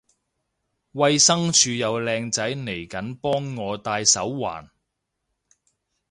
衛生署有靚仔嚟緊幫我戴手環